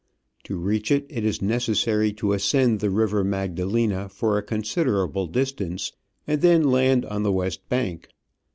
To reach it, it is necessary to ascend the river Magda lena for a considerable distance, and then land on the west bank.